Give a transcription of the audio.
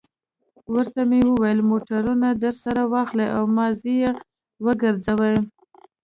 ورته مې وویل: موټرونه درسره واخلئ او مازې یې وګرځوئ.